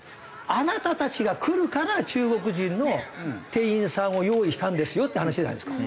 あなたたちが来るから中国人の店員さんを用意したんですよって話じゃないですか。